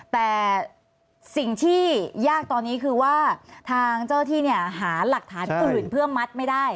แต่สิ่งที่ยากตอนนี้คือว่าทางเจ้าที่เนี่ยหาหลักฐานอื่นเพื่อมัดไม่ได้